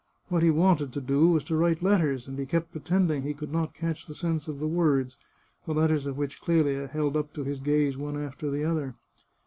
What he wanted to do was to write letters, and he kept pretending he could not catch the sense of the words, the letters of which Clelia held up to his gaze one after the other.